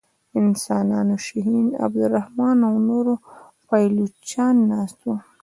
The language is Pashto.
د انسانانو شهین عبدالرحمن او نور پایلوچان ناست وه.